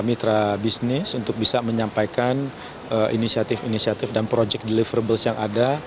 inisiatif inisiatif dan proyek deliverables yang ada